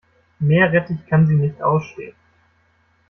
Meerrettich kann sie nicht ausstehen.